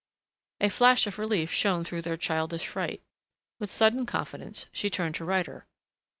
A flash of relief shone through their childish fright. With sudden confidence she turned to Ryder.